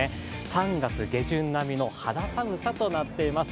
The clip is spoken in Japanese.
３月下旬並みの肌寒さとなっています。